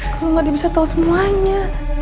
kalau nggak dia bisa tahu semuanya